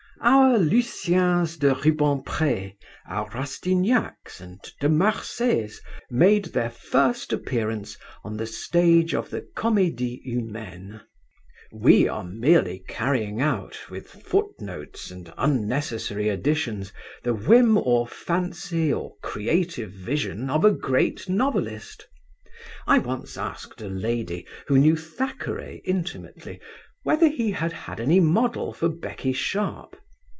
Our Luciens de Rubempré, our Rastignacs, and De Marsays made their first appearance on the stage of the Comédie Humaine. We are merely carrying out, with footnotes and unnecessary additions, the whim or fancy or creative vision of a great novelist. I once asked a lady, who knew Thackeray intimately, whether he had had any model for Becky Sharp.